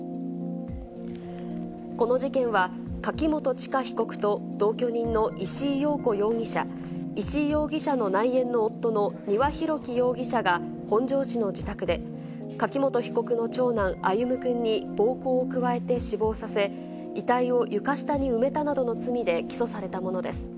この事件は、柿本知香被告と、同居人の石井陽子容疑者、石井容疑者の内縁の夫の丹羽洋樹容疑者が、本庄市の自宅で、柿本被告の長男、歩夢くんに暴行を加えて死亡させ、遺体を床下に埋めたなどの罪で起訴されたものです。